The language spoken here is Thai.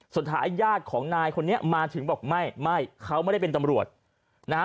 สุดท้ายญาติของนายคนนี้มาถึงบอกไม่ไม่เขาไม่ได้เป็นตำรวจนะฮะ